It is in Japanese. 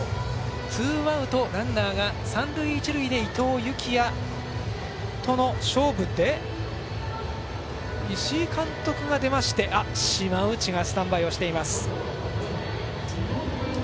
ツーアウトランナーが三塁一塁で伊藤裕季也との勝負で石井監督が出まして島内がスタンバイをしています。